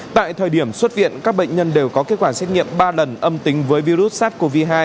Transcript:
tại thời điểm xuất viện các bệnh nhân đều có kết quả xét nghiệm ba lần âm tính với virus sars cov hai